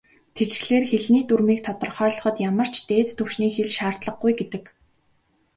Тэгэхээр, хэлний дүрмийг тодорхойлоход ямар ч "дээд түвшний хэл" шаардлагагүй гэдэг.